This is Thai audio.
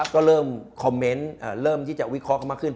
ก็เริ่มคอมเมนต์เริ่มที่จะวิเคราะห์กันมากขึ้น